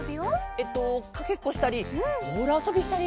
えっとかけっこしたりボールあそびしたり。